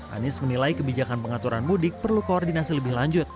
anies menilai kebijakan pengaturan mudik perlu koordinasi lebih lanjut